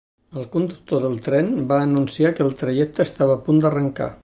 El conductor del tren va anunciar que el trajecte estava a punt d'arrencar.